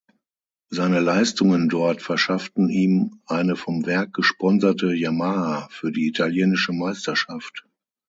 Seine Leistungen dort verschafften ihm eine vom Werk gesponserte Yamaha für die italienische Meisterschaft.